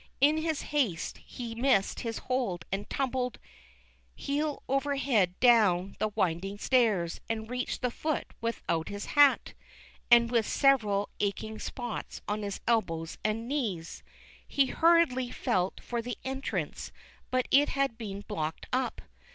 In his haste he missed his hold and tumbled heels over head down the winding stairs, and reached the foot without his hat, and with several aching spots on his elbows and knees. THE KING CAT. 359 He hurriedly felt for the entrance^ but it had been blocked up.